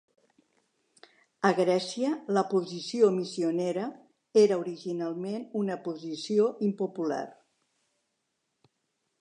A Grècia, la posició missionera era originalment una posició impopular.